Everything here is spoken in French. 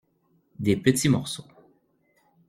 Des petits morceaux.